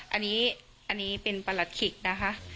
อันนี้เป็นประหลัดขิกนะคะ